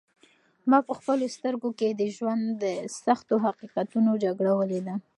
ما په خپلو سترګو کې د ژوند د سختو حقیقتونو جګړه ولیده.